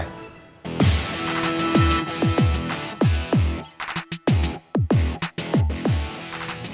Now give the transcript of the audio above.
aku mau nungguin